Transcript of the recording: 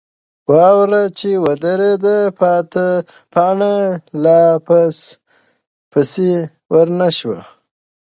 واوره چې وورېده، پاڼه لا پسې درنه شوه.